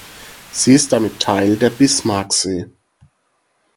Sie ist damit Teil der Bismarcksee.